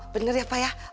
bener ya pa ya